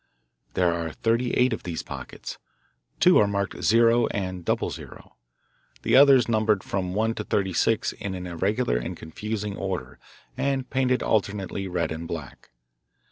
There are thirty eight of these pockets; two are marked "0" and "00," the others numbered from one to thirty six in an irregular and confusing order and painted alternately red and black.